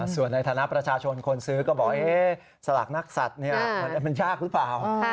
ส่วนในฐานะประชาชนคนซื้อก็บอกสลากนักสัตว์มันยากหรือเปล่า